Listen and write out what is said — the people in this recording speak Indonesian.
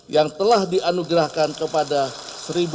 yang telah dianugerahkan kepada sri baginda